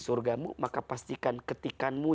programmu maka pastikan ketikanmu